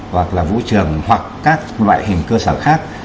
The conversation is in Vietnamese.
hoặc là vũ trường hoặc các loại hình cơ sở khác